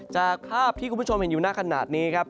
จากภาพที่คุณผู้ชมเห็นอยู่หน้าขนาดนี้ครับ